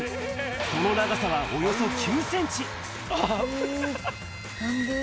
その長さはおよそ９センチ。